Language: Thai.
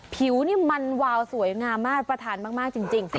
ผิวนี่มันวาวสวยงามมากประทานมากจริง